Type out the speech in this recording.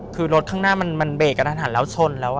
คือรถข้างหน้ามันเบรกกันทันแล้วชนแล้ว